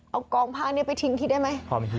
เอากองผ้านี้ไปทิ้งที่ได้ไหม